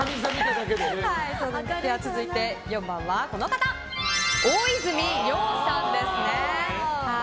続いて４番は大泉洋さんですね。